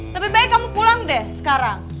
lebih baik kamu pulang deh sekarang